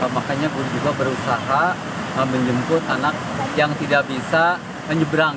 makanya polisi juga berusaha menjemput anak yang tidak bisa menyeberang